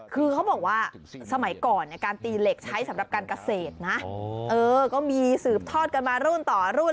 คือเขาบอกว่าสมัยก่อนการตีเหล็กใช้สำหรับการเกษตรนะก็มีสืบทอดกันมารุ่นต่อรุ่น